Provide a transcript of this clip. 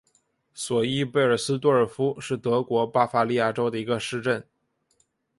索伊贝尔斯多尔夫是德国巴伐利亚州的一个市镇。